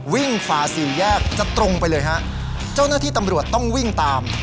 ฝ่าสี่แยกจะตรงไปเลยฮะเจ้าหน้าที่ตำรวจต้องวิ่งตาม